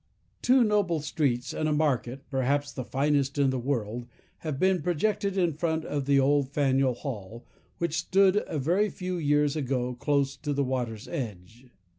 Two noble streets, and a market, perhaps the finest in the world, have been projected in front of the old Faneuil Hall, which stood a very few years ago close to the water's edge.